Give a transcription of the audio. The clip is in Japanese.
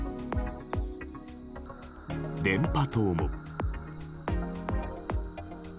電波塔も。